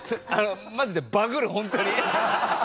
マジでバグる本当に。